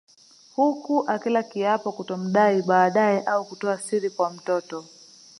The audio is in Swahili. Huku akila kiapo kutomdai baadae au kutoa siri kwa mtoto